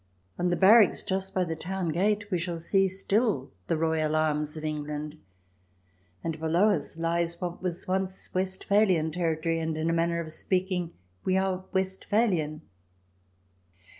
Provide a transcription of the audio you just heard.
On the barracks just by the town gate we shall see still the royal arms of England, And below us lies what was once Westphalian territory, and, in a manner of speaking, we are Westphalian.